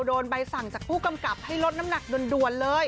โดนใบสั่งจากผู้กำกับให้ลดน้ำหนักด่วนเลย